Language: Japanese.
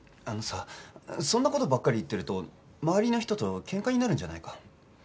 あのさそんな事ばっかり言ってると周りの人と喧嘩になるんじゃないか？